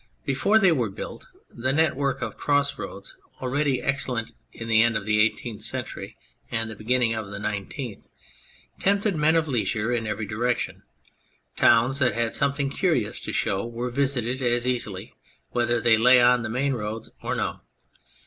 Before they were built the network of cross roads already excellent in the end of the Eighteenth Century and the beginning of the Nine teenth tempted men of leisure in every direction ; towns that had something curious to show were visited as easily, whether they lay on the main roads or no.